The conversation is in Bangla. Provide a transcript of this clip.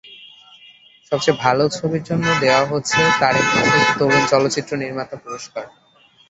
সবচেয়ে ভালো ছবির জন্য দেওয়া হচ্ছে তারেক মাসুদ তরুণ চলচ্চিত্র নির্মাতা পুরস্কার।